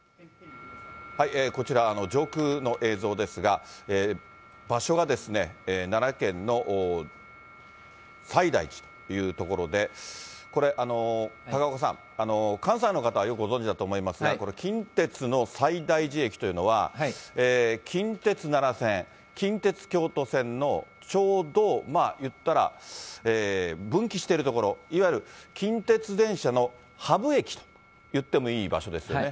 こちら、上空の映像ですが、場所が、奈良県の西大寺という所で、これ、高岡さん、関西の方はよくご存じだと思いますが、これ、近鉄の西大寺駅というのは、近鉄奈良線、近鉄京都線の、ちょうど、いったら、分岐してる所、いわゆる近鉄電車のハブ駅といってもいい場所ですよね。